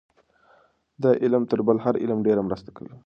دا علم تر بل هر علم ډېره مرسته کوي.